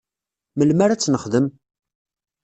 Melmi ara ad tt-nexdem?